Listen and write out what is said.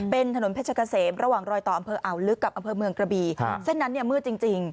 เป็นถนนเพชรเกษมระหว่างรอยต่ออำเภออ่าวลึกกับอำเภอเมืองกระบีเส้นนั้นเนี่ยมืดจริง